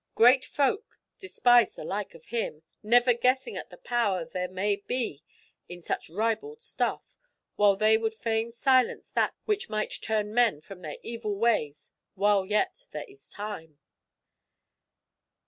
Great folk despise the like of him, never guessing at the power there may be in such ribald stuff; while they would fain silence that which might turn men from their evil ways while yet there is time."